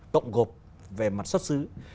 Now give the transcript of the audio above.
tộng gộp về mặt xuất xứ